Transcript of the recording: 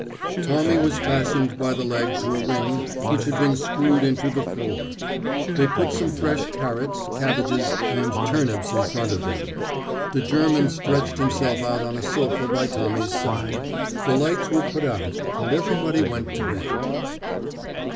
Tommy was fastened by the leg to a ring which had been screwed into the floor. They put some fresh carrots, cabbages and turnips in front of him. The German stretched himself out on a sofa by Tommy's side. The lights were put out, and everybody went to bed.